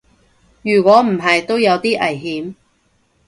如果唔係都有啲危險